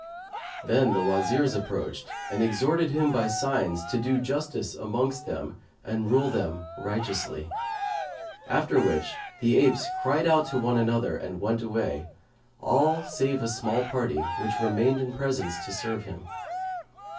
Then the Wazirs approached and exhorted him by signs to do justice amongst them and rule them righteously; after which the apes cried out to one another and went away, all save a small party which remained in presence to serve him.